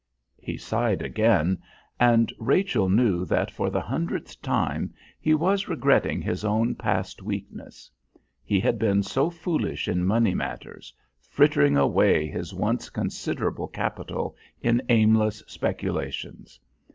He sighed again, and Rachel knew that for the hundredth time he was regretting his own past weakness. He had been so foolish in money matters, frittering away his once considerable capital in aimless speculations.